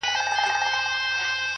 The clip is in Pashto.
هره هڅه د شخصیت جوړولو برخه ده،